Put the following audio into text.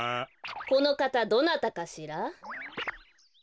このかたどなたかしら？